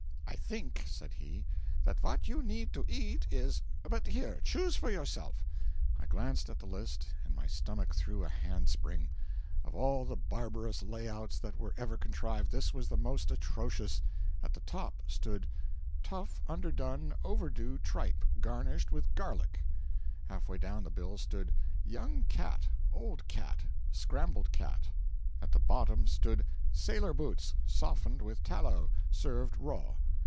'I think,' said he, 'that what you need to eat is but here, choose for yourself.' I glanced at the list, and my stomach threw a hand spring. Of all the barbarous lay outs that were ever contrived, this was the most atrocious. At the top stood 'tough, underdone, overdue tripe, garnished with garlic;' half way down the bill stood 'young cat; old cat; scrambled cat;' at the bottom stood 'sailor boots, softened with tallow served raw.'